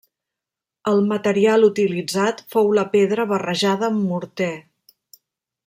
El material utilitzat fou la pedra barrejada amb morter.